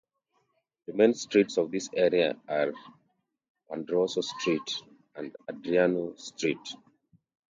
The main streets of this area are Pandrossou Street and Adrianou Street.